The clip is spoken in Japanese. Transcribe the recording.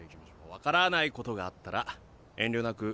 分からないことがあったら遠慮なく。